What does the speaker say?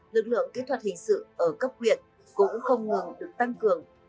lực lượng kỹ thuật hình sự ở cấp huyện cũng không ngừng được tăng cường